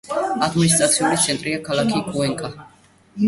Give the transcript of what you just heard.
ადმინისტრაციული ცენტრია ქალაქი კუენკა.